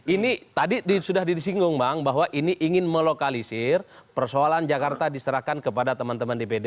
ini tadi sudah disinggung bang bahwa ini ingin melokalisir persoalan jakarta diserahkan kepada teman teman dpd